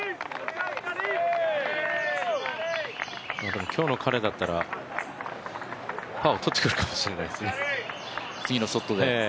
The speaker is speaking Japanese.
でも、今日の彼だったらパーを取ってくれるかもしれないですね。